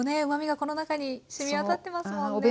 うまみがこの中にしみ渡ってますもんね。